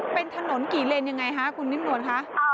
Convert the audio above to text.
เป็นถนนกี่เลนยังไงคะคุณนิ่มนวลคะ